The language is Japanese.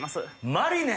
マリネ！